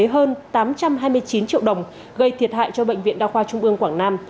hơn tám trăm hai mươi chín triệu đồng gây thiệt hại cho bệnh viện đa khoa trung ương quảng nam